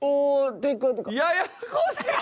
ややこしい！